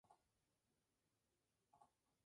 Posee altos acantilados de roca y glaciares escarpados.